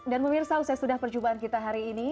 dan pemirsa usai sudah percubaan kita hari ini